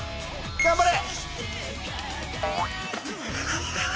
頑張れ！